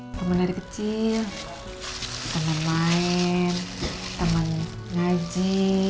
mak dulu emak ketemu bapaknya mbak tati